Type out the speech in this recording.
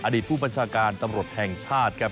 ผู้บัญชาการตำรวจแห่งชาติครับ